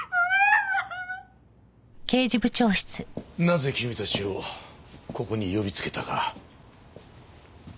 なぜ君たちをここに呼びつけたかわかるな？